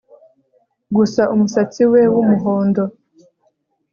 Gusa umusatsi we wumuhondo